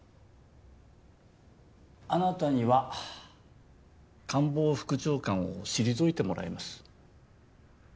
あなたには官房副長官を退いてもらいます。